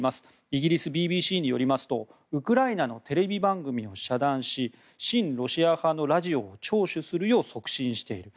イギリスＢＢＣによりますとウクライナのテレビ番組を遮断し親ロシア派のラジオを聴取するよう促進している。